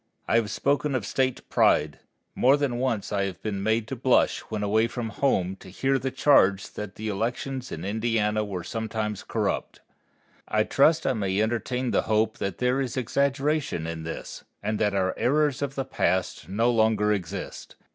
I have spoken of State pride. More than once I have been made to blush when away from home to hear the charge that the elections in Indiana were sometimes corrupt. I trust I may entertain the hope that there is exaggeration in this, and that our errors of the past no longer exist.